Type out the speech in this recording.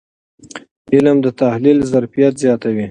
علم د تحلیل ظرفیت زیاتوي.